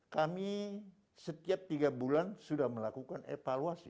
kami setiap tiga bulan sudah melakukan evaluasi